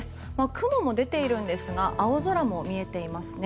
雲も出ていますが青空も見えていますね。